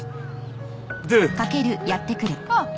あっ。